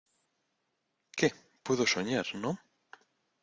Qué, puedo soñar ,¿ no?